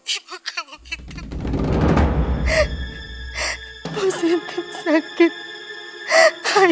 ibu kamu yang tetap dalam